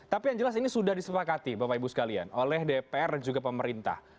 tapi yang jelas ini sudah disepakati bapak ibu sekalian oleh dpr dan juga pemerintah